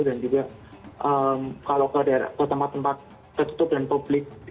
dan juga kalau ke tempat tempat tertutup dan publik